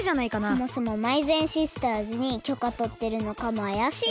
そもそもまいぜんシスターズにきょかとってるのかもあやしい！